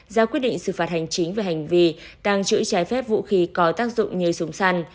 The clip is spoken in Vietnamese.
ra quyết định xử phạt hành chính về hành vi tàng trữ trái phép vũ khí có tác dụng như súng săn